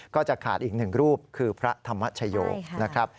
ก็จะขาดอีก๑รูปคือพระธรรมชโยค